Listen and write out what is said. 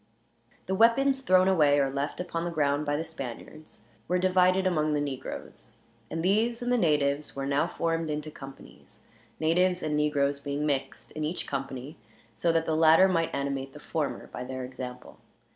The weapons thrown away or left upon the ground, by the Spaniards, were divided among the negroes; and these and the natives were now formed into companies, natives and negroes being mixed in each company, so that the latter might animate the former by their example.